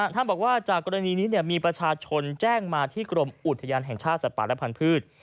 บอกว่าจากกรณีนี้มีประชาชนแจ้งมาที่กรมอุทยานแห่งชาติสัตว์ป่าและพันธุ์